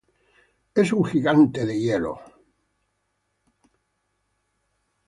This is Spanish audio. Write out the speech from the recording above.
Es un Gigante de Hielo.